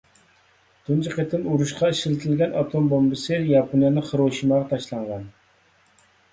تۇنجى قېتىم ئۇرۇشقا ئىشلىتىلگەن ئاتوم بومبىسى ياپونىيەنىڭ خىروشىماغا تاشلانغان.